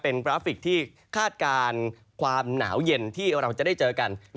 เป็นกราฟิกที่คาดการณ์ความหนาวเย็นที่เราจะได้เจอกัน